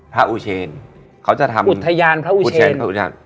พระอุเชนเขาจะทำอุทยานพระอุเชนอุทยานพระอุเชน